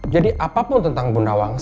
jadi apapun tentang bu nawang